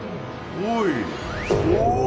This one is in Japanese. おい！